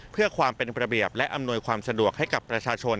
เพื่อความเป็นระเบียบและอำนวยความสะดวกให้กับประชาชน